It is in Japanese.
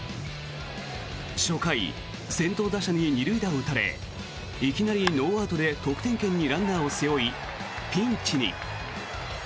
初回、先頭打者に２塁打を打たれいきなりノーアウトで得点圏にランナーを背負いピンチに。